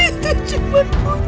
itu cuman putri dewa